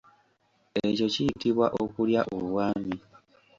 Ekyo kiyitibwa okulya obwami.